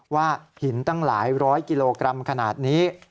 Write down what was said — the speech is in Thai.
ว่าหินตั้งหลายร้อยกิโลกรัมขนาดนี้